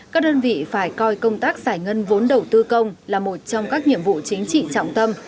các đơn vị phải coi công tác giải ngân vốn đầu tư công là một trong các nhiệm vụ chính trị trọng tâm